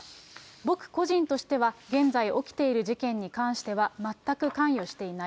僕個人としては、現在起きている事件に関しては全く関与していない。